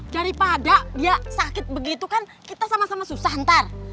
daripada dia sakit begitu kan kita sama sama susah ntar